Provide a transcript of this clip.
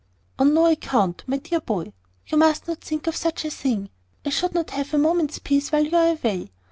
"On no account, my dear boy. You must not think of such a thing. I should not have a moment's peace while you are away.